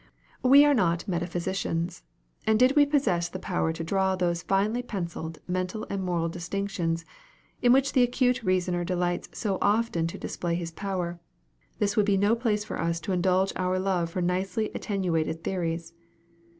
We are not metaphysicians, and did we possess the power to draw those finely pencilled mental and moral distinctions in which the acute reasoner delights so often to display his power, this would be no place for us to indulge our love for nicely attenuated theories.